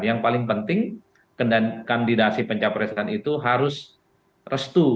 yang paling penting kandidasi pencapresan itu harus restu